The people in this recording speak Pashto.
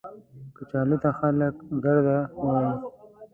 کچالو ته خلک ګرده وايي